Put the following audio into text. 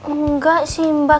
enggak sih mbak